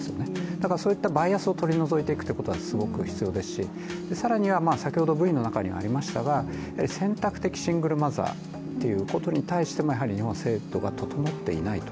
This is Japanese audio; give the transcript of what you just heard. だからそういったバイアスを取り除いていくことは、すごく必要ですし更には、選択的シングルマザーということに対してやはり日本は制度が整っていないと。